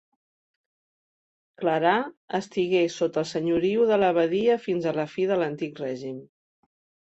Clerà estigué sota el senyoriu de l'abadia fins a la fi de l'Antic Règim.